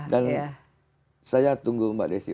dan saya tunggu mbak desi